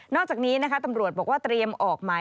อกจากนี้นะคะตำรวจบอกว่าเตรียมออกหมาย